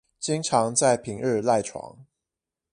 經常在平日賴床